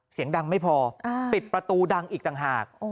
เสียงดังไม่พอปิดประตูดังอีกต่างหาก